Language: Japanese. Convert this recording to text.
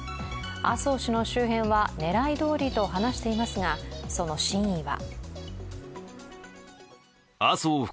麻生氏の周辺は狙いどおりと話していますが、その真意は。